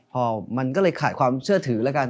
พอมันก็เลยขาดความเชื่อถือแล้วกัน